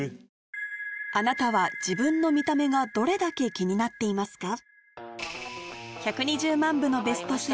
あなたは自分の見た目がどれだけ気になっていますか？を